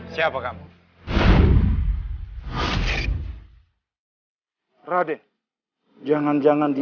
jangan aku ingin melakukan apa yang kamu mahu